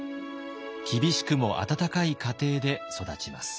厳しくも温かい家庭で育ちます。